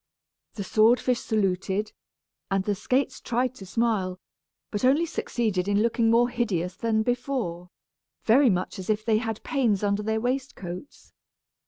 The sword fish saluted, and the skates tried to smile, but only succeeded in looking more hideous than before, very much as if they had pains under their waistcoats.